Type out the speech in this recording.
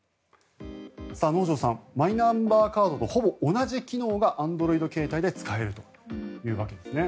能條さん、マイナンバーカードとほぼ同じ機能がＡｎｄｒｏｉｄ携帯で使えるというわけですね。